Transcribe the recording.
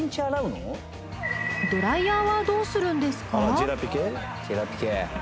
ドライヤーはどうするんですか？